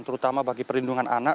terutama bagi perlindungan anak